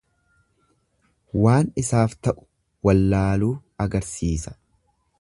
Waan isaaf ta'u wallaaluu agarsiisa.